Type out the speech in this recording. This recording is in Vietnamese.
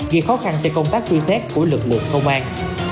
ghi khó khăn trên công tác tuyên xét của lực lượng công an